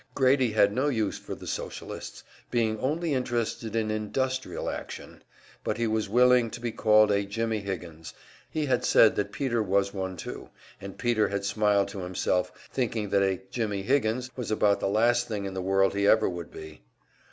Grady had no use for the Socialists, being only interested in "industrial action," but he was willing to be called a "Jimmie Higgins"; he had said that Peter was one too, and Peter had smiled to himself, thinking that a "Jimmie Higgins" was about the last thing in the world he ever would be.